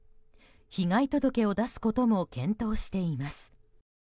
被害届を出すことも検討しています。